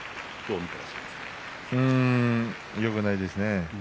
うーんよくないですね。